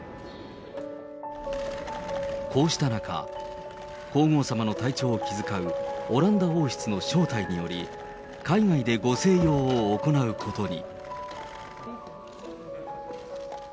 こうした中、皇后さまの体調を気遣うオランダ王室の招待により、海外でご静養を行うことに。